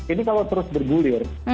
ini kalau terus bergulir